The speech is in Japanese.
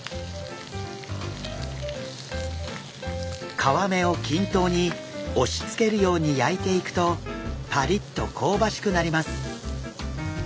皮目を均等に押しつけるように焼いていくとパリッと香ばしくなります。